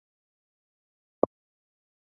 اوښ بيا د خپل څښتن څخه د چای غوښتنه وکړه.